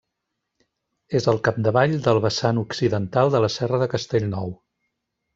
És al capdavall del vessant occidental de la Serra de Castellnou.